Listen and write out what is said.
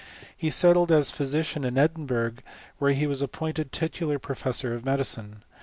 He settled as a physician in Edinburgh, where he was appointed titular professor of medicine.